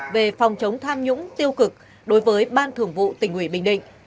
về phòng chống tham nhũng tiêu cực đối với ban thường vụ tỉnh ủy bình định